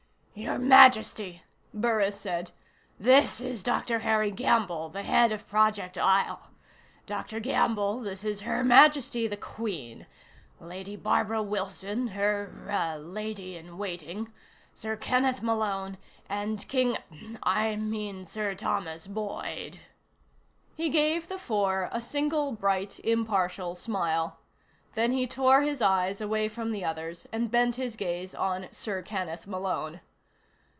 "Your Majesty," Burris said, "this is Dr. Harry Gamble, the head of Project Isle. Dr. Gamble, this is Her Majesty the Queen; Lady Barbara Wilson, her uh her lady in waiting; Sir Kenneth Malone; and King I mean Sir Thomas Boyd." He gave the four a single bright impartial smile. Then he tore his eyes away from the others, and bent his gaze on Sir Kenneth Malone.